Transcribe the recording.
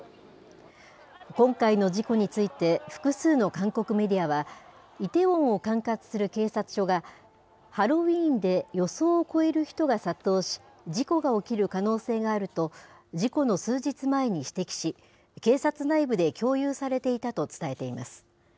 今回の事故について、複数の韓国メディアは、イテウォンを管轄する警察署が、ハロウィーンで予想を超える人が殺到し、事故が起きる可能性があると、事故の数日前に指摘し、警察内部で共有されていたと伝えています。